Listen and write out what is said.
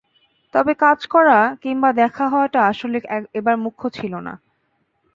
তবে কাজ করা কিংবা দেখা হওয়াটা আসলে এবার মুখ্য ছিল না।